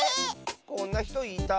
こんなひといた？